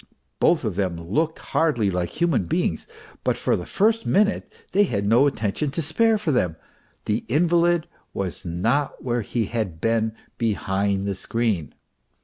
" Both of them looked hardly like human beings ; but for the first minute they had no attention to spare for them ; the invalid was not where he had been behind the screen.